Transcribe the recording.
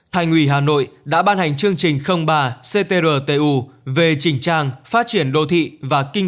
thành ủy hà nội đã ban hành chương trình ba ctrtu về chỉnh trang phát triển đô thị và kinh